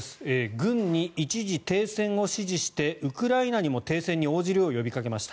軍に一時停戦を指示してウクライナにも停戦に応じるよう呼びかけました。